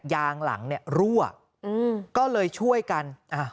ยางหลังเนี่ยรั่วก็เลยช่วยกัน